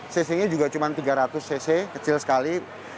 cc nya juga cuma tiga ratus cc kecil sekali